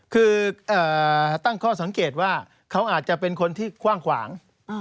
คือตั้งข้อสังเกตว่าเขาอาจจะเป็นคนที่กว้างขวาง